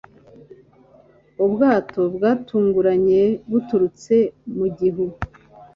Ubwato bwatunguranye buturutse mu gihu.